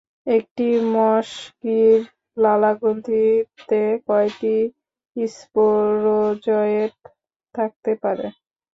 একটি মশকীর লালাগ্রন্থিতে কয়টি স্পোরোজয়েট থাকতে পারে?